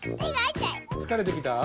つかれてきた？